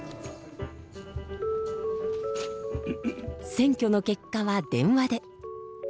選挙の結果は電話で。